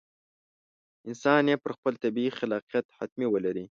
انسان یې پر خپل طبیعي خلاقیت حتمي ولري.